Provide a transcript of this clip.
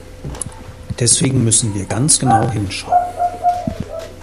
Deswegen müssen wir ganz genau hinschauen.